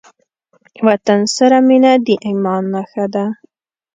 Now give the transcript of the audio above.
وطن سره مينه د ايمان نښه ده.